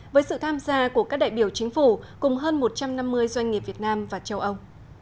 với sự tham gia của các đại biểu chính phủ cùng hơn một trăm năm mươi doanh nghiệp việt nam và châu âu